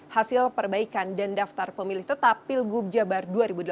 hasil perbaikan dan daftar pemilih tetap pilgub jabar dua ribu delapan belas